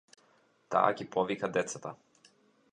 Таа ги повика децата.